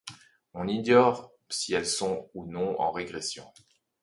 On ignore si elles sont ou non en régression.